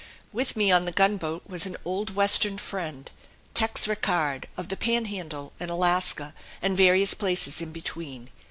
With me on the gunboat was an old Western friend, Tex Rickard, of the Panhandle and Alaska and various places in between.